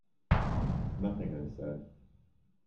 "Nothing," I said.